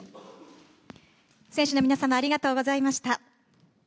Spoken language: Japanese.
選手の皆様、ありがとうございました。